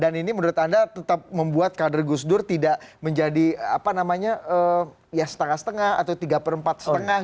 dan ini menurut anda tetap membuat kader gusdur tidak menjadi setengah setengah atau tiga perempat setengah